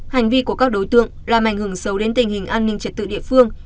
hành vi của các đối tượng làm ảnh hưởng sâu đến tình hình an ninh trật tự địa phương